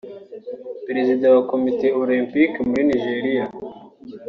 Peresida wa Komite Olympike muri Nigeria